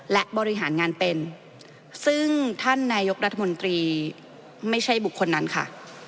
และบริหารงานเป็นซึ่งท่านนายกรัฐมนตรีไม่ใช่บุคคลนั้นค่ะ